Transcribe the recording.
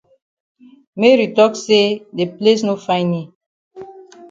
Mary tok say de place no fine yi.